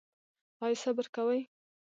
ایا صبر کوئ؟